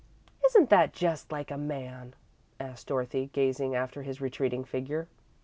"Isn't that just like a man?" asked Dorothy, gazing after his retreating figure.